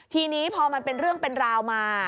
ทีนี้พอมันเป็นเรื่องเป็นราวมา